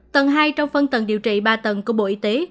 tầng hai trong phân tầng điều trị ba tầng của bộ y tế